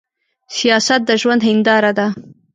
سياست د ژوند هينداره ده.